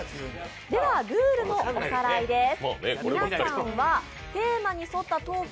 ではルールのおさらいです。